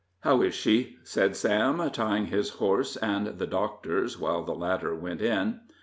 "How is she?" said Sam, tying his horse and the doctor's, while the latter went in.